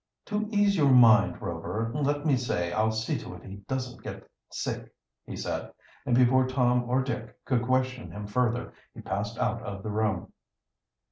"To ease your mind Rover, let me say I'll see to it that he doesn't get sick," he said, and before Tom or Dick could question him further he passed out of the room.